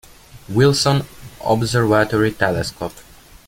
Wilson Observatory telescope.